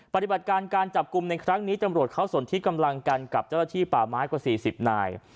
ปฏิบัติการการจับกลุ่มในครั้งนี้ตำรวจเขาสนที่กำลังกันกับเจ้าหน้าที่ป่าไม้กว่า๔๐นาย